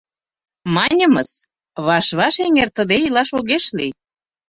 — Маньымыс, ваш-ваш эҥертыде илаш огеш лий.